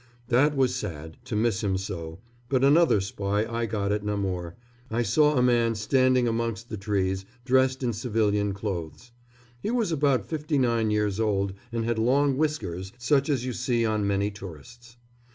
That was sad, to miss him so; but another spy I got at Namur. I saw a man standing amongst the trees, dressed in civilian clothes. He was about fifty nine years old and had long whiskers, such as you see on many tourists.